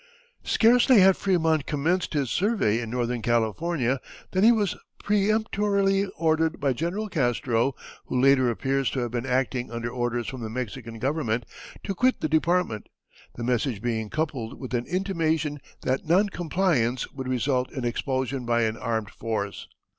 Scarcely had Frémont commenced his survey in Northern California than he was peremptorily ordered by General Castro, who later appears to have been acting under orders from the Mexican Government, to quit the department; the message being coupled with an intimation that non compliance would result in expulsion by an armed force.